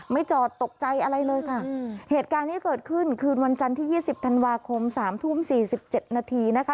จอดตกใจอะไรเลยค่ะเหตุการณ์ที่เกิดขึ้นคืนวันจันทร์ที่ยี่สิบธันวาคมสามทุ่มสี่สิบเจ็ดนาทีนะคะ